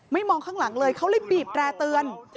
มองข้างหลังเลยเขาเลยบีบแร่เตือน